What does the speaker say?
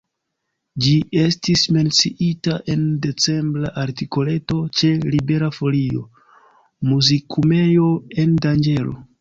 Ĝi estis menciita en decembra artikoleto ĉe Libera Folio, Muzikumejo en danĝero.